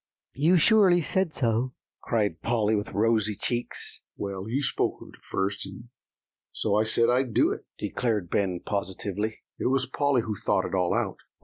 you surely said so," cried Polly, with rosy cheeks. "Well, you spoke of it first, and so I said I'd do it," declared Ben positively. "It was Polly who thought it all out."